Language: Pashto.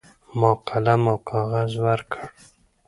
ما قلم او کاغذ ورکړ.